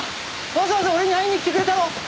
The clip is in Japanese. わざわざ俺に会いに来てくれたの？